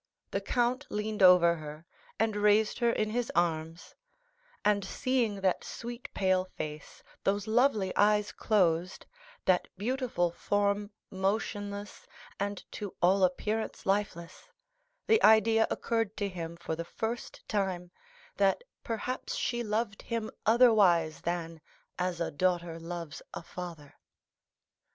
The count leaned over her and raised her in his arms; and seeing that sweet pale face, those lovely eyes closed, that beautiful form motionless and to all appearance lifeless, the idea occurred to him for the first time, that perhaps she loved him otherwise than as a daughter loves a father.